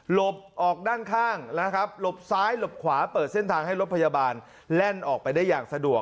บออกด้านข้างนะครับหลบซ้ายหลบขวาเปิดเส้นทางให้รถพยาบาลแล่นออกไปได้อย่างสะดวก